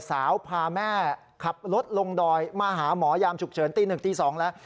พาแม่ขับรถลงดอยมาหาหมอยามฉุกเฉินตี๑ตี๒แล้ว